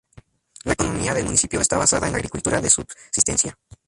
La economía del municipio está basada en la agricultura de subsistencia.